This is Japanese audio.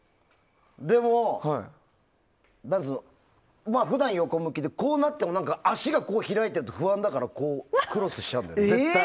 でも、普段横向きでこうなっても足が開いてると不安だからクロスしちゃうんだよね。